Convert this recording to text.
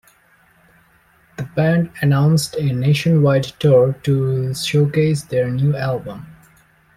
The band announced a nationwide tour to showcase their new album.